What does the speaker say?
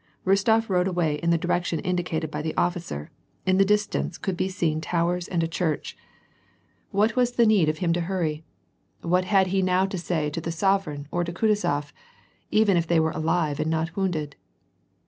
Rostof rode away in the direction indicated by the officer ; in the distance could be seen towers and a church. What was the need of S60 WAR AND PEACE. » him to hurry. What had he now to say to the sovereign or to Kutuzof ? even if they were alive and not wounded.